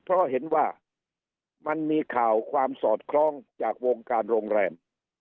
เพราะเห็นว่ามันมีข่าวความสอดคล้องจากวงการโรงแรม